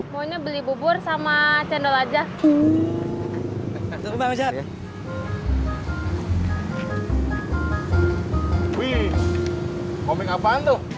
wih komik apaan tuh